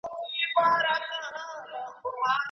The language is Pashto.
خدای به مني قرآن به لولي مسلمان به نه وي